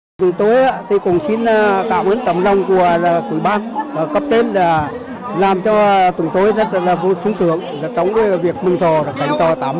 làm cho tùng tối rất là vui sống sướng trong việc mừng thọ khánh thọ tám mươi xuân